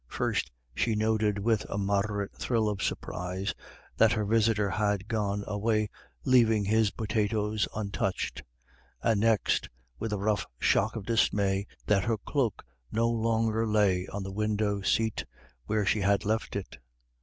First, she noted with a moderate thrill of surprise that her visitor had gone away leaving his potatoes untouched; and next, with a rough shock of dismay, that her cloak no longer lay on the window seat where she had left it.